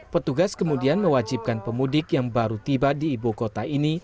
petugas kemudian mewajibkan pemudik yang baru tiba di ibu kota ini